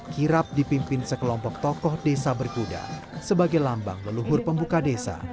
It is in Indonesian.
kirap dipimpin sekelompok tokoh desa berkuda sebagai lambang leluhur pembuka desa